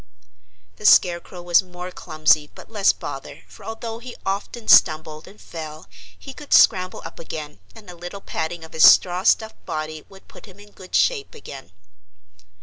The Scarecrow was more clumsy but less bother, for although he often stumbled and fell he could scramble up again and a little patting of his straw stuffed body would put him in good shape again.